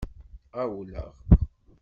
Ɣawleɣ.